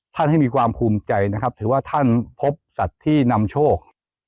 ให้มีความภูมิใจนะครับถือว่าท่านพบสัตว์ที่นำโชค